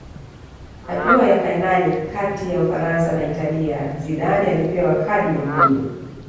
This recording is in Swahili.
hatua ya fainali kati ya ufaransa na italia zidane alipewa kadi nyekundu